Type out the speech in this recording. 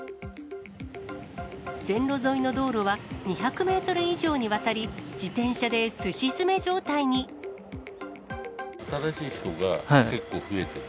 線路沿いの道路は２００メートル以上にわたり、新しい人が結構増えてる。